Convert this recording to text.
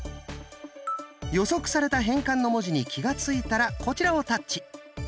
予測された変換の文字に気が付いたらこちらをタッチ。